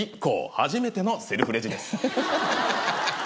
はじめてのセルフレジです。